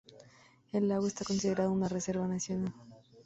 El lago está considerado una reserva nacional.